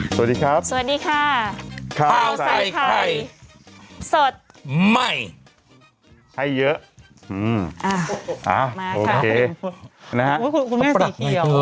สวัสดีครับสวัสดีค่ะข้าวใส่ไข่สดใหม่ให้เยอะอืมอ่ามาค่ะโอเค